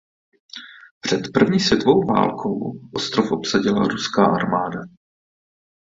Před první světovou válkou ostrov obsadila ruská armáda.